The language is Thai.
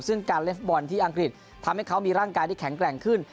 ซึ่งการเล่นฟุตบอลที่อังกฤษทำให้เขามีร่างกายที่แข็งแกร่งขึ้น